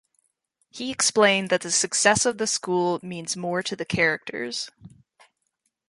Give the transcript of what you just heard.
He explained that the success of the school means more to the characters.